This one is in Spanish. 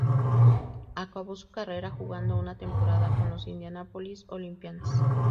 Acabó su carrera jugando una temporada con los Indianapolis Olympians.